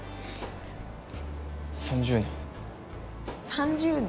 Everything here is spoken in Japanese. ３０年。